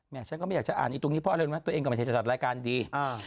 แม่งฉันก็ไม่อยากจะอ่านอีกตรงนี้เพราะว่าตัวเองก็ไม่ใช่สัตว์รายการดี